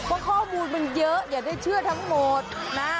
ข้อมูลมันเยอะอย่าได้เชื่อทั้งหมดนะ